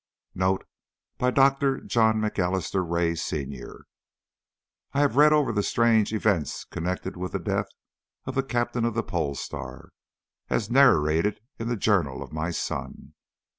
[NOTE by Dr. John M'Alister Ray, senior. I have read over the strange events connected with the death of the Captain of the Pole Star, as narrated in the journal of my son.